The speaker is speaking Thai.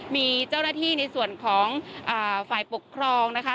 มีเจ้าหน้าที่ในส่วนของฝ่ายปกครองนะคะ